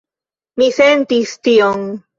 Mi sentis tion.